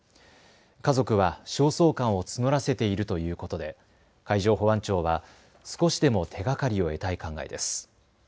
家族は焦燥感を募らせているということで海上保安庁は少しでも手がかりを得たい考えです。